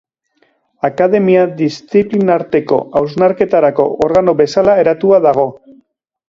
Akademia diziplinarteko hausnarketarako organo bezala eratua dago.